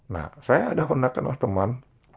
nah saya ada pendapatkan